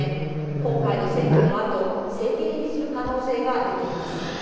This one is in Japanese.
今回の選挙のあと政権入りする可能性が出ています。